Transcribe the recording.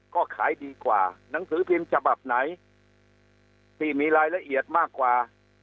ก็ขายดีกว่าหนังสือพิมพ์ฉบับไหนที่มีรายละเอียดมากกว่า